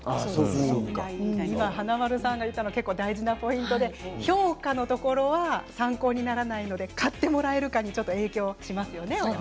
今、華丸さんが言ったのは結構、大事なポイントで評価のところ参考にならないので買ってもらえるかに影響しますよね。